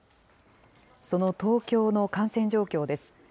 その東京の感染状況です。